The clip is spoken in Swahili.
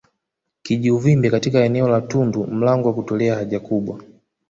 Kijiuvimbe katika eneo la tundu mlango wa kutolea haja kubwa